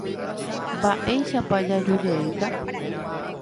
Mba'éichapa jajujeýta.